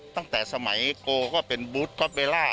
ตั้งแต่สมัยโกเป็นบุฎก็เปล่า